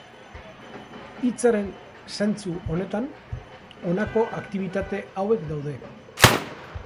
Hitzaren zentzu honetan, honako aktibitate hauek daude.